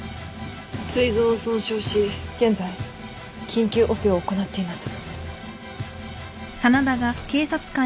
膵臓を損傷し現在緊急オペを行っています。